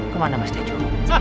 kemana mas dejo